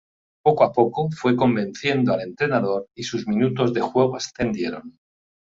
Poco a poco fue convenciendo al entrenador y sus minutos de juego ascendieron.